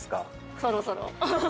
そろそろ。